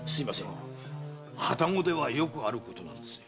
旅籠ではよくあることなんですよ。